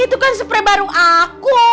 itu kan super baru aku